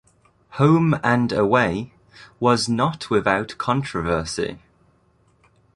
"Home and Away" was not without controversy.